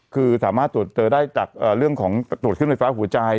คือสามารถตรวจเจอได้จากเรื่องของตรวจขึ้นไฟฟ้าหัวใจ